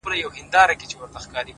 • راته مه راکوه زېری د ګلونو د ګېډیو,